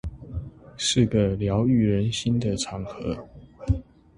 是個療癒人心的場合